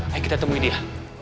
ayo kita temui dia